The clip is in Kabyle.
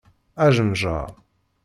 Ajenjar!